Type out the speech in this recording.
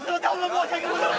申し訳ございません